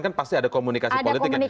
kan pasti ada komunikasi politik yang